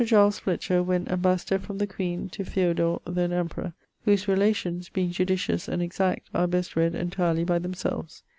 Giles Fletcher went ambassador from the Queen to Pheodor then emperour; whose relations, being judicious and exact, are best read entirely by themselves.